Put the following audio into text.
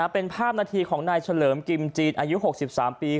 เป็นภาพนาทีของนายเฉลิมกิมจีนอายุ๖๓ปี